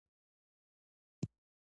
ځنګلونه د افغانستان طبعي ثروت دی.